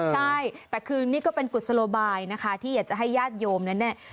ใช่แต่คือนี่ก็เป็นกุศโลบายนะคะที่อยากจะให้ญาติโยมนั้นเนี่ย